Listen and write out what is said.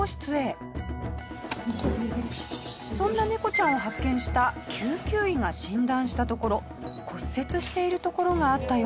そんなネコちゃんを発見した救急医が診断したところ骨折しているところがあったようです。